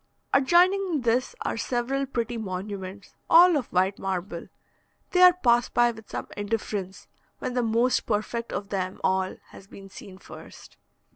Adjoining this are several pretty monuments, all of white marble. They are passed by with some indifference when the most perfect of them all has been seen first.